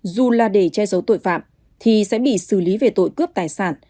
dù là để che giấu tội phạm thì sẽ bị xử lý về tội cướp tài sản